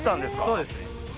そうですね。